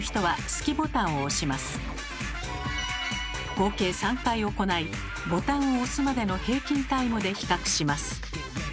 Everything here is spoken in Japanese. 合計３回行いボタンを押すまでの平均タイムで比較します。